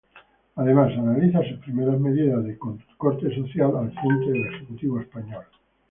Además analiza sus primeras medidas de corte social al frente del ejecutivo español.